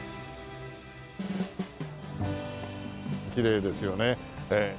きれいですよね。